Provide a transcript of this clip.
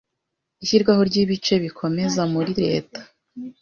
Ishyirwaho ryibice bikomeza Muri leta